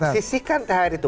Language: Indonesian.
sisikan thr itu